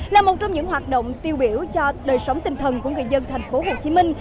là một trong những hoạt động tiêu biểu cho đời sống tinh thần của người dân thành phố hồ chí minh